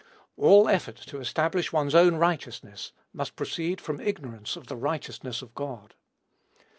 All effort to establish one's own righteousness must proceed from ignorance of the righteousness of God.